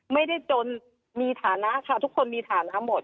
ไม่ได้จนมีฐานะค่ะทุกคนมีฐานะหมด